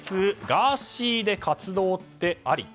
ガーシーで活動ってあり？